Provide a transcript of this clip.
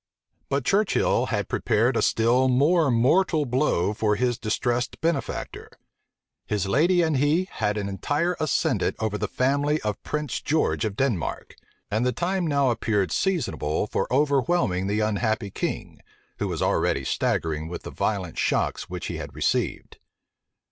But Churchill had prepared a still more mortal blow for his distressed benefactor. His lady and he had an entire ascendant over the family of Prince George of Denmark; and the time now appeared seasonable for overwhelming the unhappy king, who was already staggering with the violent shocks which he had received.